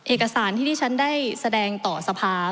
เอกสารที่ที่ฉันได้แสดงต่อสภา